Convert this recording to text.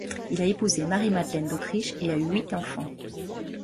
Il a épousé Marie-Madeleine d'Autriche, et a eu huit enfants.